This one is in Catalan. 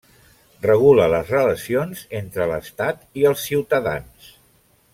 Regula les relacions entre l'Estat i els ciutadans.